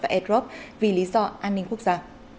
và adwords vì lý do an ninh quốc gia